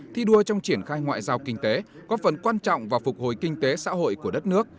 thi đua trong triển khai ngoại giao kinh tế có phần quan trọng vào phục hồi kinh tế xã hội của đất nước